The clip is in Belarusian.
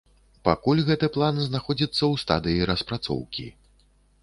Пакуль гэты план знаходзіцца ў стадыі распрацоўкі.